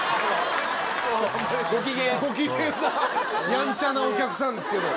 やんちゃなお客さんですけど。